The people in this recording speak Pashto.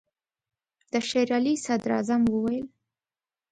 د شېر علي صدراعظم وویل.